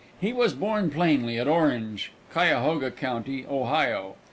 He was born plainly at Orange, Cuyahoga county, Ohio.